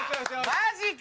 ・マジか！？